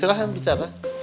benar benar harus catar